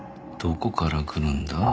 どこから来るんだ？